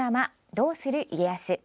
「どうする家康」。